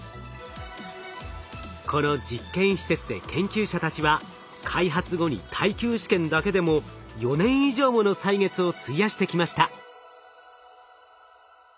この実験施設で研究者たちは開発後に耐久試験だけでも４年以上もの歳月を費やしてきました。